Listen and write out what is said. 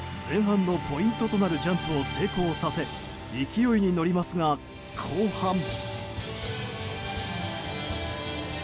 前半のポイントとなるジャンプを成功させ勢いに乗りますが、後半。